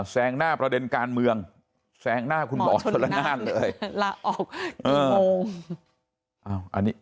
แสงหน้าประเด็นการเมืองแสงหน้าคุณหมอชลนั่นลาออกกี่โมง